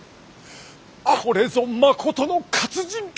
これぞまことの活人剣！